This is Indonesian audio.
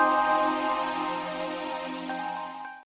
tolong pak jangan pak